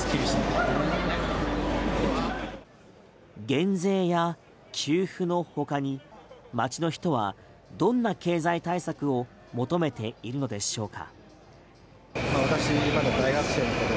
減税や給付のほかに街の人はどんな経済対策を求めているのでしょうか？